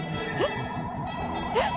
えっ！